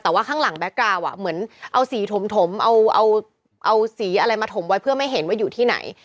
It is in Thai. แต่ว่าข้างหลังแก๊กกราวเหมือนเอาสีถมเอาสีอะไรมาถมไว้เพื่อไม่เห็นว่าอยู่ที่ไหน